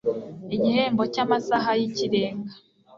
igihembo cy amasaha y ikirenga